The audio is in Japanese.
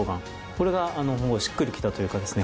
これがしっくりきたというかですね